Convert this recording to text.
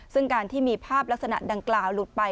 ซึ่งการที่มีภาพลักษณะดังกล่าวหลุดไป